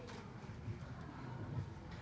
ตอนต่อไป